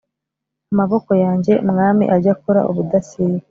Amaboko yanjye mwami ajye akora ubudasiba